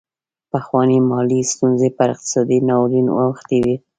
پخوانۍ مالي ستونزې پر اقتصادي ناورین اوښتې وې.